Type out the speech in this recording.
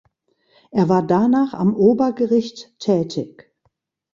Er war danach am Obergericht tätig.